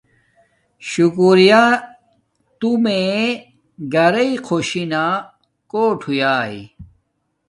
شکریہ تو مے گھرݵ خوشی نا کوٹ ہویاݵ